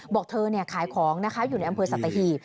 บอกเธอคลายของอยู่ในอำเภอสัตว์ตะหี่